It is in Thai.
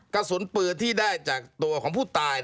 กระสุนปืนที่ได้จากตัวของผู้ตาย